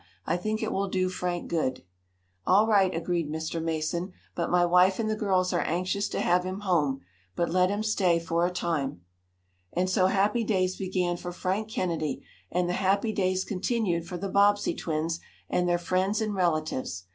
I think it will do Frank good." "All right," agreed Mr. Mason. "But my wife and the girls are anxious to have him home. But let him stay here for a time." And so happy days began for Frank Kennedy, and the happy days continued for the Bobbsey twins, and their friends and relatives.